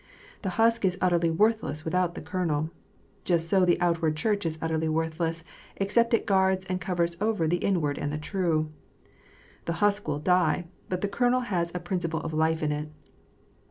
The husk is utterly worthless without the kernel. Just so the outward Church is utterly worthless except it guards and covers over the inward and the true. The husk will die, but the kernel has a prin ciple of life in it.